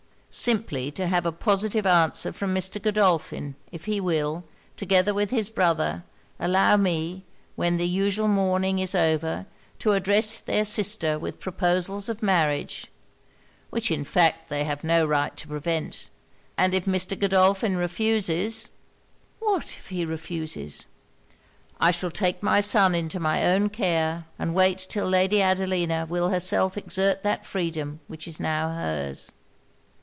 'Simply to have a positive answer from Mr. Godolphin, if he will, together with his brother, allow me, when the usual mourning is over, to address their sister with proposals of marriage; which in fact they have no right to prevent. And if Mr. Godolphin refuses ' 'What, if he refuses?' 'I shall take my son into my own care, and wait till Lady Adelina will herself exert that freedom which is now her's.'